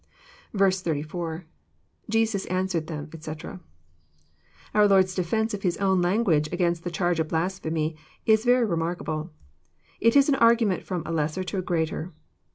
*" 04. — [Jesus answered them, etc.'] Our Lord's defence of his own language against the charge of blasphemy is very remarkable. It is an argument from a lesser to a greater.